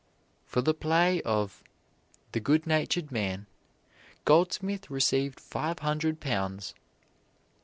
For the play of "The Good Natured Man" Goldsmith received five hundred pounds.